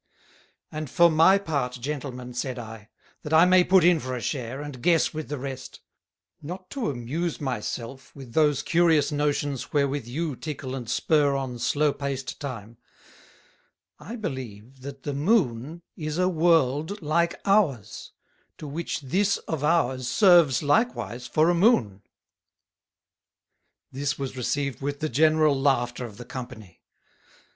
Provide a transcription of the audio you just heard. "And for my part, Gentlemen," said I, "that I may put in for a share, and guess with the rest; not to amuse my self with those curious Notions wherewith you tickle and spur on slow paced Time; I believe, that the Moon is a World like ours, to which this of ours serves likewise for a Moon." This was received with the general Laughter of the Company.